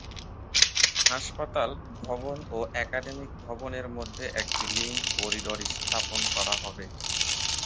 হাসপাতাল ভবন ও একাডেমিক ভবনের মধ্যে একটি লিংক করিডোর স্থাপন করা হবে।